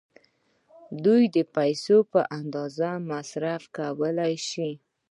دوی د پیسو په اندازه مصرف کولای شي.